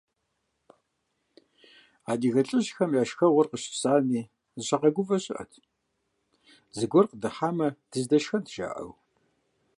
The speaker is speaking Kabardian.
Адыгэ лӀыжьхэм я шхэгъуэр къыщысами, зыщагъэгувэ щыӀэт, «зыгуэр къыдыхьамэ, дызэдэшхэнт», - жаӀэу.